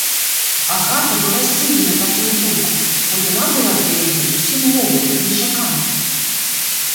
Агата была здзіўлена такою думкаю, бо яна была для яе зусім новаю, нечаканаю.